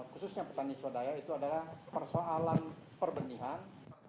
khususnya petani swadaya itu adalah persoalan perbenihan